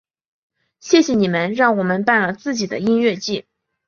谢谢你们让我们办了自己的音乐祭！